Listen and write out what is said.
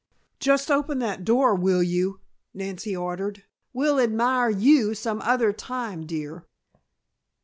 "Just open that door, will you?" Nancy ordered. "We'll admire you some other time, dear."